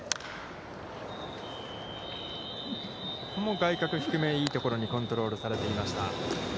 外角低め、いいところにコントロールされていました。